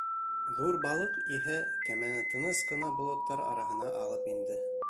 Ҙур балыҡ иһә кәмәне тыныс ҡына болоттар араһына алып инде.